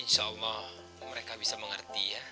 insya allah mereka bisa mengerti ya